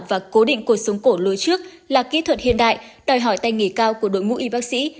và cố định cuộc sống cổ lối trước là kỹ thuật hiện đại đòi hỏi tay nghề cao của đội ngũ y bác sĩ